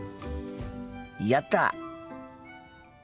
やった！